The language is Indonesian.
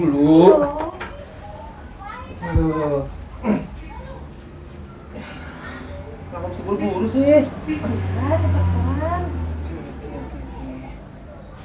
kalau bisa puluh puluh sih